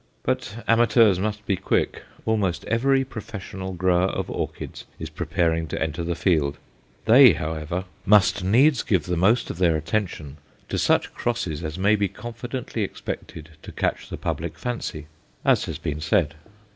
But amateurs must be quick. Almost every professional grower of orchids is preparing to enter the field. They, however, must needs give the most of their attention to such crosses as may be confidently expected to catch the public fancy, as has been said.